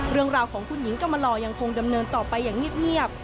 เรื่องราวของคุณหญิงกรรมลอยังคงดำเนินต่อไปอย่างเงียบ